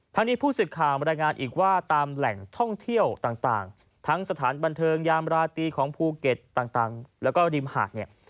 นี้ผู้สื่อข่าวบรรยายงานอีกว่าตามแหล่งท่องเที่ยวต่างทั้งสถานบันเทิงยามราตรีของภูเก็ตต่างแล้วก็ริมหาดเนี่ย